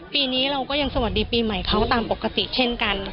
ปีนี้เราก็ยังสวัสดีปีใหม่เขาตามปกติเช่นกัน